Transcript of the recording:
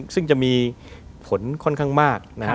ซึ่งจะมีผลค่อนข้างมาก